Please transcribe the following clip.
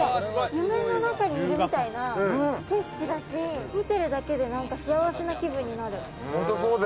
夢の中にいるみたいな景色だし見てるだけで幸せな気分になる。